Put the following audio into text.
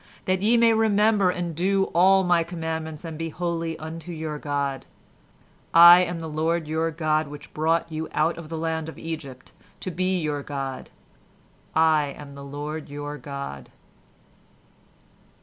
"That ye may remember and do all my commandments and be holy unto your God. "I am the Lord your God which brought you out of the land of Egypt, to be your God: I am the Lord your God."